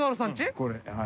これはい。